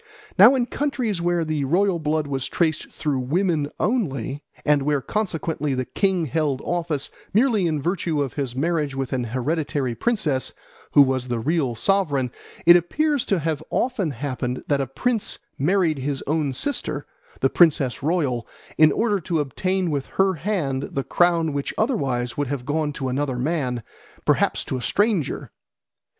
Now in countries where the royal blood was traced through women only, and where consequently the king held office merely in virtue of his marriage with an hereditary princess, who was the real sovereign, it appears to have often happened that a prince married his own sister, the princess royal, in order to obtain with her hand the crown which otherwise would have gone to another man, perhaps to a stranger.